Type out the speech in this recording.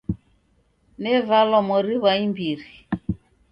Nevalwa mori ghwa imbiri.